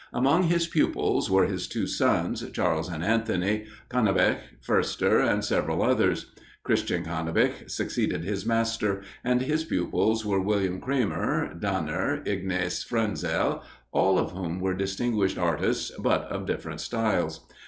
Among his pupils were his two sons, Charles and Anthony, Canabich, Foerster, and several others. Christian Canabich succeeded his master; and his pupils were William Cramer, Danner, Ignace Fraenzel, all of whom were distinguished artists, but of different styles.